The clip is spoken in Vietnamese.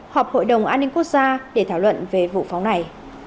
họp hội đồng an ninh quốc gia để thảo luận về vụ phóng này